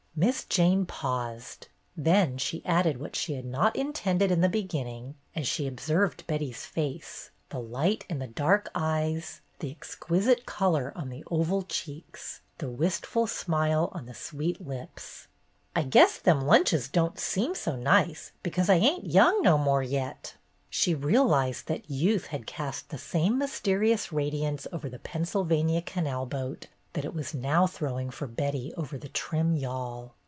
Miss Jane paused, then she added what she had not intended in the beginning, as she observed Betty's face, the light in the dark eyes, II 1 62 BETTY BAIRD'S GOLDEN YEAR the exquisite color on the oval cheeks, the wistful smile on the sweet lips. " I guess them lunches don't seem so nice because I ain't young no more yet." She realized that youth had cast the same mysterious radiance over the Pennsylvania canal boat that it was now throwing for Betty over the trim yawl.